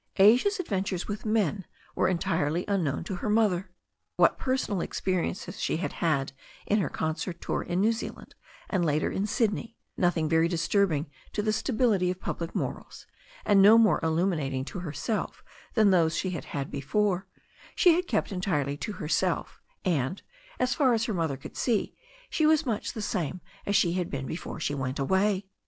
Asia's adventures with men were entirely un known to her mother. What personal experiences she had had in her concert tour in New Zealand and later in Sydney — ^nothing very disturbing to the stability of public morals, and no more illuminating to herself than those she had had before — ^she had kept entirely to herself, and, as far as her mother could see, she was much the same as she had been before she first went away.